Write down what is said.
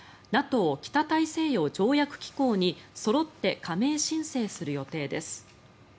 ＮＡＴＯ・北大西洋条約機構にそろって加盟申請する予定です。